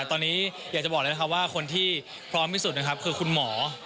ตอนนี้อยากจะบอกอะไรนะคะว่าคนที่พร้อมพี่สุดคือคุณหมอ